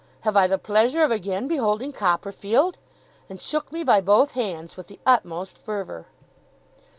Have I the pleasure of again beholding Copperfield!' and shook me by both hands with the utmost fervour.